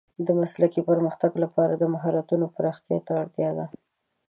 د مسلکي پرمختګ لپاره د مهارتونو پراختیا ته اړتیا ده.